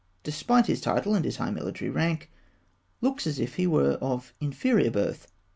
189), despite his title and his high military rank, looks as if he were of inferior birth.